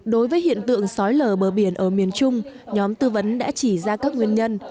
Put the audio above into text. đối với hiện tượng sói lở bờ biển ở miền trung nhóm tư vấn đã chỉ ra các nguyên nhân